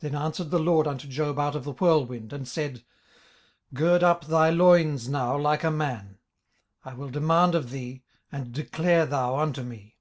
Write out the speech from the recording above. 18:040:006 Then answered the LORD unto Job out of the whirlwind, and said, 18:040:007 Gird up thy loins now like a man: I will demand of thee, and declare thou unto me.